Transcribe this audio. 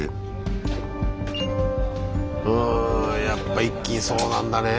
うんやっぱ一気にそうなんだね